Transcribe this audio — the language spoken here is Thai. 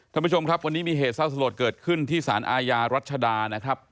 ท่านผู้ชมครับวันนี้มีเหตุเศร้าสลดเกิดขึ้นที่สารอาญารัชดานะครับ